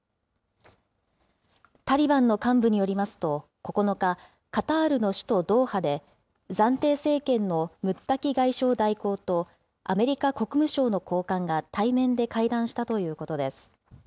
タリバンの幹部によりますと、９日、カタールの首都ドーハで、暫定政権のムッタキ外相代行と、アメリカ国務省の高官が対面で会談したということです。